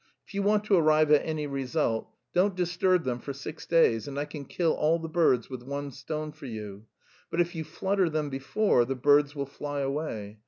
If you want to arrive at any result, don't disturb them for six days and I can kill all the birds with one stone for you; but if you flutter them before, the birds will fly away.